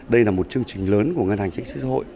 đây là một chương trình lớn của ngân hành chính sức hội